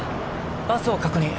バスを確認